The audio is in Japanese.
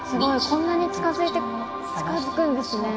こんなに近づいて近づくんですね。